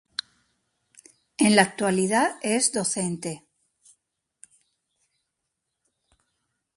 En la actualidad es docente.